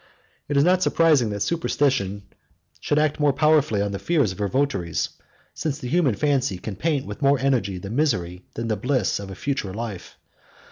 It is not surprising that superstition should act most powerfully on the fears of her votaries, since the human fancy can paint with more energy the misery than the bliss of a future life.